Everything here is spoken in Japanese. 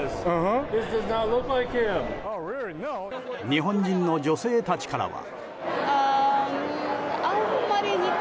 日本人の女性たちからは。